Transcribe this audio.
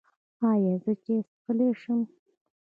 ایا زه چای څښلی شم؟